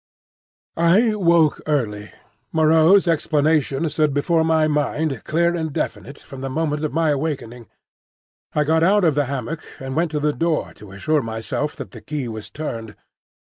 I woke early. Moreau's explanation stood before my mind, clear and definite, from the moment of my awakening. I got out of the hammock and went to the door to assure myself that the key was turned.